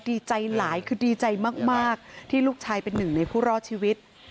ดีใจหลายคือดีใจมากที่ลูกชายเป็นหนึ่งในผู้รอดชีวิต